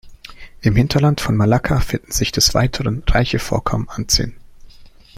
Im Hinterland von Malakka finden sich des Weiteren reiche Vorkommen an Zinn.